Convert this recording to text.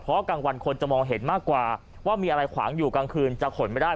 เพราะกลางวันคนจะมองเห็นมากกว่าว่ามีอะไรขวางอยู่กลางคืนจะขนไม่ได้